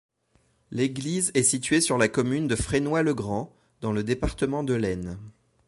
L'église est située sur la commune de Fresnoy-le-Grand, dans le département de l'Aisne.